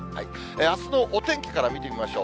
あすのお天気から見てみましょう。